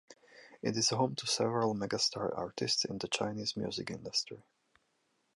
It is home to several megastar artists in the Chinese music industry.